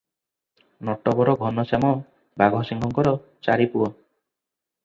ନଟବର ଘନଶ୍ୟାମ ବାଘସିଂହଙ୍କର ଚାରି ପୁଅ ।